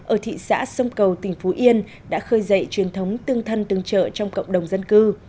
ở thị xã sông cầu tỉnh phú yên đã khơi dậy truyền thống tương thân tương trợ trong cộng đồng dân cư